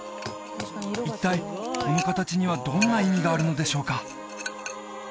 一体この形にはどんな意味があるのでしょうか？